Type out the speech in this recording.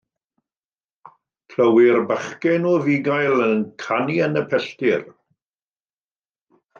Clywir bachgen o fugail yn canu yn y pellter.